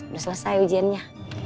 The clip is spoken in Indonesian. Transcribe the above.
udah selesai ujiannya